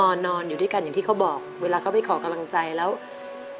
รายการต่อปีนี้เป็นรายการทั่วไปสามารถรับชมได้ทุกวัย